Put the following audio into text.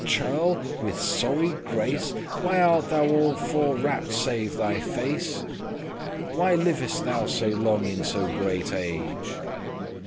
churl, with sorry grace, Why art thou all forwrapped* save thy face? *closely wrapt up Why livest thou so long in so great age?"